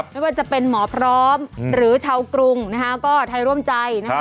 ไม่ว่าจะเป็นหมอพร้อมหรือชาวกรุงนะฮะก็ไทยร่วมใจนะครับ